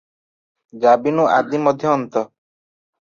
ଯା ବିନୁ ଆଦି ମଧ୍ୟ ଅନ୍ତ ।